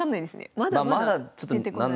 まだまだ出てこない？